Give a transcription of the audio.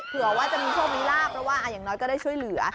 เผื่อว่าจะมีโชคมีลาบเพราะว่าอย่างน้อยก็ได้ช่วยเหลือ